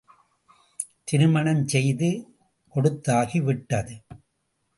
திருமணம் செய்து கொடுத்தாகிவிட்டது.